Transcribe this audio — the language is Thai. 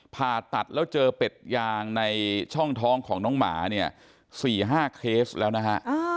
ผ่าตัดแล้วเจอเป็ดยางในช่องท้องของน้องหมาเนี่ย๔๕เคสแล้วนะฮะ